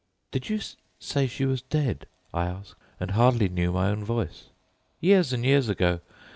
"'Did you say she was dead?' I asked, and I hardly knew my own voice. "'Years and years ago!